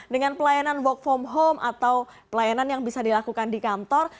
dengan pelayanan work from home atau pelayanan yang bisa dilakukan di kantor